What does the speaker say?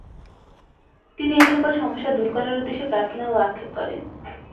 তিনি এইসকল সমস্যা দূর করার উদ্দেশ্যে প্রার্থনা ও আক্ষেপ করেন।